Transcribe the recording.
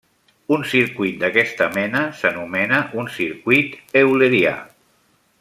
Un circuit d'aquesta mena s'anomena un circuit eulerià.